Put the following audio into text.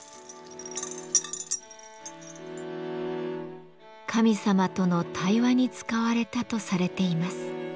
神様との対話に使われたとされています。